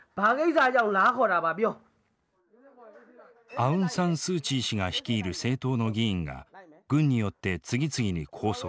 アウン・サン・スー・チー氏が率いる政党の議員が軍によって次々に拘束。